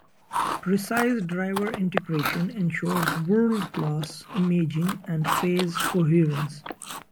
Precise driver integration ensures world-class imaging and phase coherence.